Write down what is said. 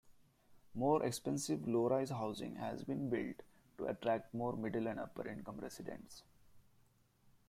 More expensive low-rise housing has been built to attract more middle- and upper-income residents.